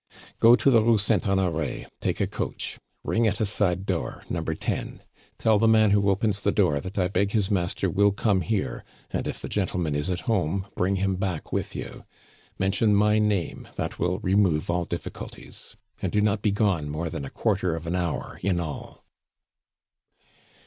"Go to the Rue Saint Honore: take a coach. Ring at a side door, No. 10. Tell the man who opens the door that I beg his master will come here, and if the gentleman is at home, bring him back with you. Mention my name, that will remove all difficulties. "And do not be gone more than a quarter of an hour in all."